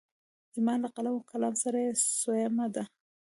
زما له قلم او کلام سره یې څویمه ده.